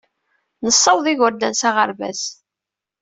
Nessawaḍ igerdan s aɣerbaz.